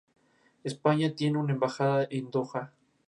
España tiene una embajada en Doha.